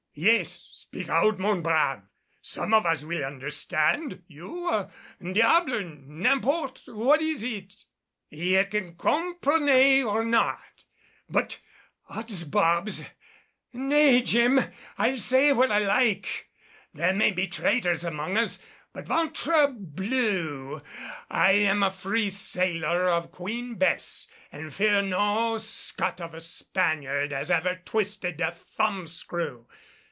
"Yes, speak out, mon brave, some of us will understand you diable n'importe! What is it?" "Ye can comprenay or not, but odds bobs! Nay, Jem, I'll say what I like. There may be traitors among us; but, ventre blue! I'm a free sailor of Queen Bess and fear no scut of a Spaniard as ever twisted a thumb screw.